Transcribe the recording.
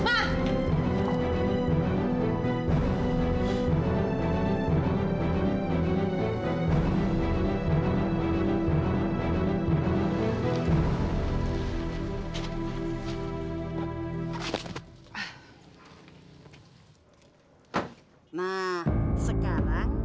mama mau pulang sekarang